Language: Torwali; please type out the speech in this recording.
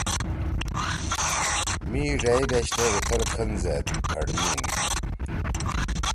می ڙئیی بیشتے اُوتھل کھن زید